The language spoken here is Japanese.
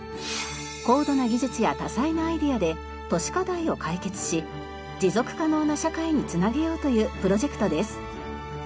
高度な技術や多彩なアイデアで都市課題を解決し持続可能な社会につなげようというプロジェクトです。